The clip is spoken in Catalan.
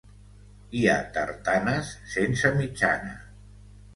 Hi ha tartanes sense mitjana.